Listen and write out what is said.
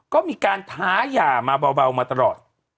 ก็มีการท้าย่ามาเบามาตลอด